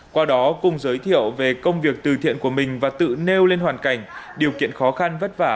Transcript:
qua đó cùng giới thiệu về công việc từ thiện của mình và tự nêu lên hoàn cảnh điều kiện khó khăn vất vả